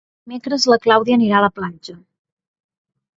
Dimecres na Clàudia anirà a la platja.